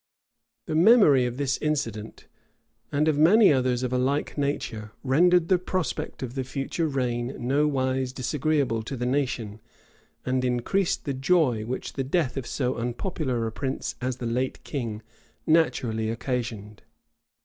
The memory of this incident, and of many others of a like nature, rendered the prospect of the future reign nowise disagreeable to the nation, and increased the joy which the death of so unpopular a prince as the late king naturally occasioned.